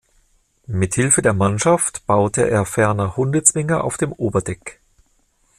Mit Hilfe der Mannschaft baute er ferner Hundezwinger auf dem Oberdeck.